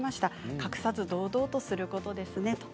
隠さず堂々とすることですね。